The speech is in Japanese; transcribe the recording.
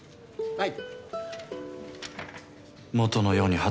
はい。